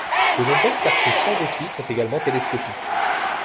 De nombreuses cartouches sans étui sont également télescopiques.